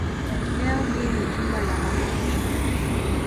Leo hii ni jumba la makumbusho.